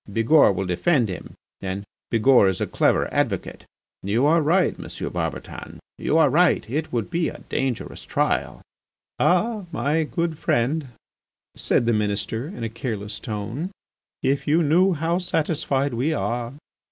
Bigourd will defend him, and Bigourd is a clever advocate. ... You are right, M. Barbotan, you are right. It would be a dangerous trial." "Ah! my friend," said the Minister, in a careless tone, "if you knew how satisfied we are.